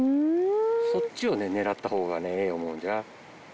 そっちをね狙った方がねええ思うんじゃ。